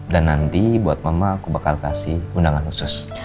dan nanti buat mama aku bakal kasih undangan khusus